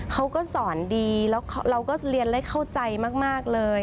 เขาก็สอนดีแล้วเราก็เรียนได้เข้าใจมากเลย